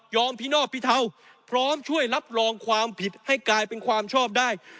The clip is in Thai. พินอบพิเทาพร้อมช่วยรับรองความผิดให้กลายเป็นความชอบได้